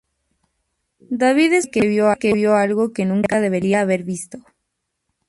David es un hombre que vio algo que nunca debería haber visto.